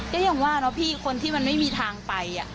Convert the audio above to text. ก็อย่างว่าเนอะพี่คนที่มันไม่มีทางไป